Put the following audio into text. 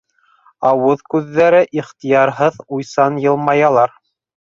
Ауыҙ-күҙҙәре ихтыярһыҙ уйсан йылмаялар.